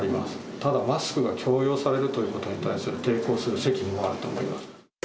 ただ、マスクが強要されるということに対して抵抗する責務はあると思います。